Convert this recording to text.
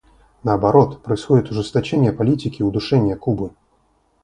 Наоборот, происходит ужесточение политики удушения Кубы.